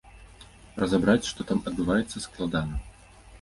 Разабраць, што там адбываецца, складана.